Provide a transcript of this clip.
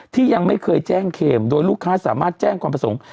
ที่ยังไม่เคยแจ้งเคมโดยลูกค้าสามารถแจ้งความประสงค์